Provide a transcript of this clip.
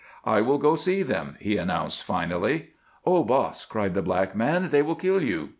"I will go see them," he announced, finally. "Oh, boss," cried the black man, "they will kill you!"